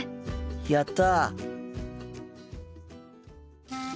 やった！